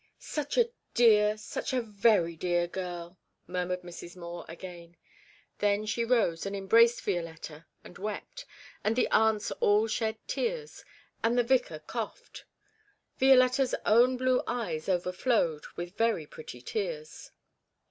'Such a dear such a very dear girl,' murmured Mrs. Moore again. Then she rose and embraced Violetta and wept, and the aunts all shed tears, and the vicar coughed. Violetta's own blue eyes over flowed with very pretty tears.